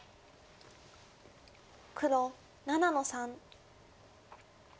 黒７の三。